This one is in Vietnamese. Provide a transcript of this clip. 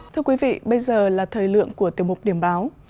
thưa quý vị bây giờ là thời lượng của tiêu mục điểm báo